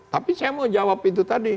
tapi saya mau jawab itu tadi